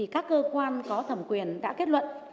các cơ quan có thẩm quyền đã kết luận